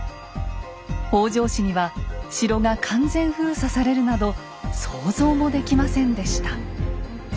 北条氏には城が完全封鎖されるなど想像もできませんでした。